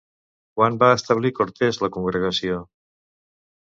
Quan va establir Cortés la congregació?